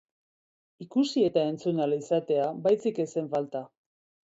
Ikusi eta entzun ahal izatea baizik ez zen falta.